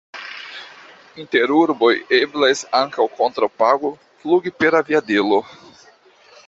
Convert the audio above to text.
Inter urboj eblas ankaŭ kontraŭ pago flugi per aviadilo.